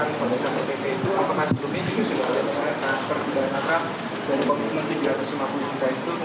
apakah sebetulnya juga sudah diserahkan